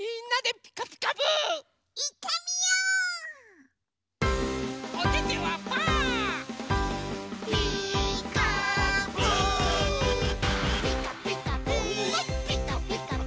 「ピカピカブ！ピカピカブ！」